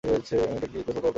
এটা কি গোসল করার পোশাক?